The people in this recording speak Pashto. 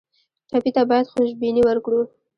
ټپي ته باید خوشبیني ورکړو.